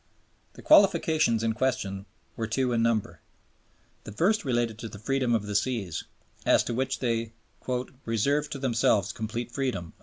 The qualifications in question were two in number. The first related to the Freedom of the Seas, as to which they "reserved to themselves complete freedom."